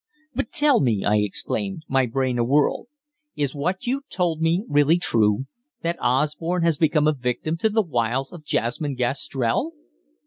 "But tell me," I exclaimed, my brain a whirl, "is what you told me really true: that Osborne has become a victim to the wiles of Jasmine Gastrell?"